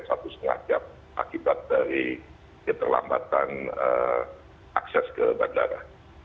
satu setengah jam akibat dari keterlambatan akses ke bandara